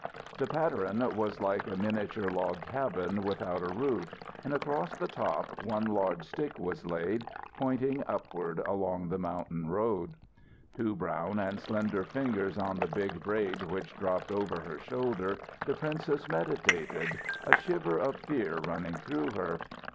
The patteran was like a miniature log cabin without a roof, and across the top one large stick was laid, pointing upward along the mountain road. Two brown and slender fingers on the big braid which dropped over her shoulder, the princess meditated, a shiver of fear running through her.